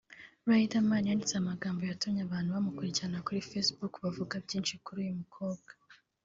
Riderman yanditse amagambo yatumye abantu bamukurikirana kuri facebook bavuga byinshi kuri uyu mukobwa